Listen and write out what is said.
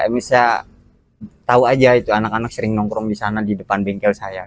bisa tahu aja itu anak anak sering nongkrong di sana di depan bengkel saya